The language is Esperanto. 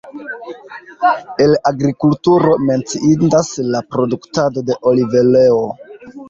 El agrikulturo menciindas la produktado de olivoleo.